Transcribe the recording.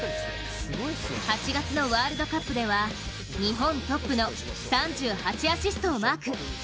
８月のワールドカップでは日本トップの３８アシストをマーク。